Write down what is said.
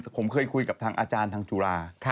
ผมเคยคุยกับทางอาจารย์ทางจุฬา